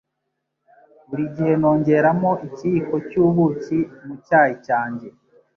Buri gihe nongeramo ikiyiko cyubuki mu cyayi cyanjye.